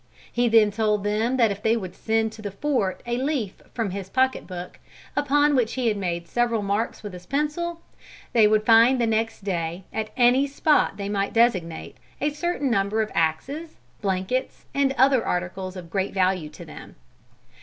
He then told them that if they would send to the fort a leaf from his pocket book, upon which he had made several marks with his pencil, they would find the next day, at any spot they might designate, a certain number of axes, blankets, and other articles of great value to them.